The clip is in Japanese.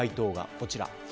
こちら。